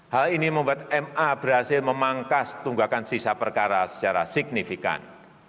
hal ini membuat ma berhasil memangkas tunggakan sisa perkara secara signifikan